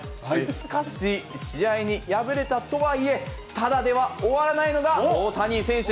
しかし、試合に敗れたとはいえ、ただでは終わらないのが大谷選手。